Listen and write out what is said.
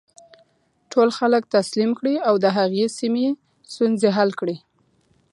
ټول خلک تسلیم کړي او د هغې سیمې ستونزې حل کړي.